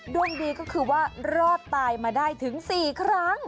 ดวงดีก็คือว่ารอดตายมาได้ถึง๔ครั้ง